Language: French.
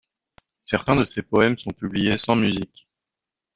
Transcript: Certains de ses poèmes sont publiés sans musique.